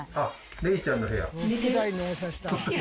怜ちゃんの部屋？